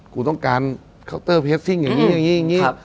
กูต้องการเคาน์เตอร์เพสซิ่งอย่างนี้อย่างนี้